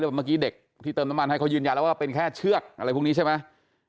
เมื่อกี้เด็กที่เติมน้ำมันให้เขายืนยันแล้วว่าเป็นแค่เชือกอะไรพวกนี้ใช่ไหม